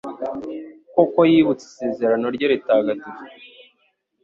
Koko yibutse isezerano rye ritagatifu